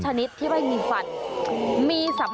จมูกมันดี